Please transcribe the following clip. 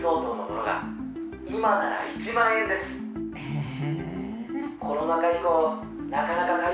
へえ。